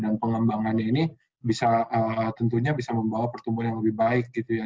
dan pengembangan ini bisa tentunya bisa membawa pertumbuhan yang lebih baik gitu ya